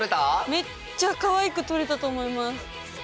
めっちゃかわいく撮れたと思います。